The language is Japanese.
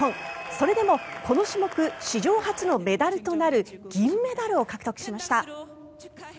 それでもこの種目史上初のメダルとなる銀メダルを獲得しました。